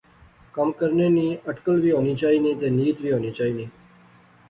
کم کرنے نی اٹکل وہ ہونی چائینی تے نیت وی ہونی چائینی